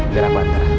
biar aku antar